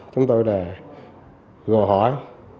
chúng tôi là gọi hỏi